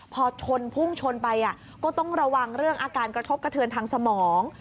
พอชนพุ่งชนไปก็ต้องระวังเรื่องอาการกระทบกระเทือนทางสมอง